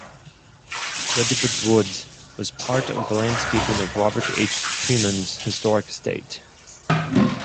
Redbud Woods was part of the landscaping of Robert H. Treman's historic estate.